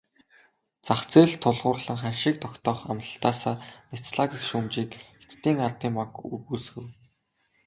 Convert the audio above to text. Зах зээлд тулгуурлан ханшийг тогтоох амлалтаасаа няцлаа гэх шүүмжийг Хятадын ардын банк үгүйсгэв.